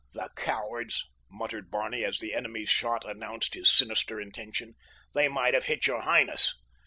"The cowards!" muttered Barney as the enemy's shot announced his sinister intention; "they might have hit your highness."